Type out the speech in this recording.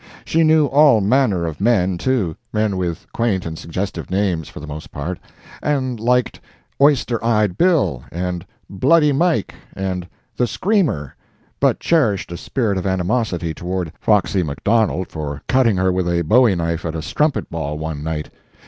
She knew all manner of men, too—men with quaint and suggestive names, for the most part—and liked "Oyster eyed Bill," and "Bloody Mike," and "The Screamer," but cherished a spirit of animosity toward "Foxy McDonald" for cutting her with a bowie knife at a strumpet ball one night.